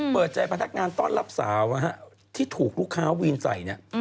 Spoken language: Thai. เปิดใจพนักงานต้อนรับสาวที่ถูกลูกค้าวีนใส่เนี่ย